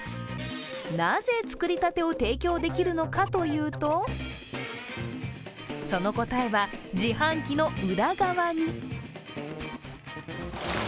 なぜ、作りたてを提供できるのかというとその答えは、自販機の裏側に。